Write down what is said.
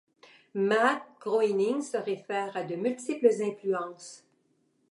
Matt Groening se réfère à de multiples influences.